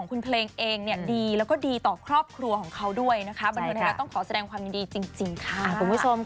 บรรทีนี้เราต้องขอแสดงความยินดีจริงค่ะคุณผู้ชมค่ะ